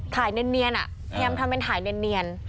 ถ่ายเนียนอ่ะยังทำเป็นถ่ายเนียน